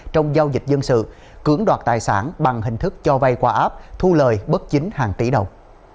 trong giao dịch dân sự cưỡng đoạt tài sản bằng hình thức cho vay qua app thu lời bất chính hàng tỷ đồng